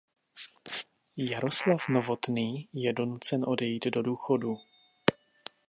Jaroslav Novotný je donucen odejít do důchodu.